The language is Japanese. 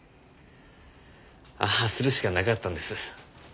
ああするしかなかったんです。